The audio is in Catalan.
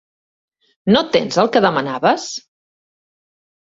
No tens el que demanaves?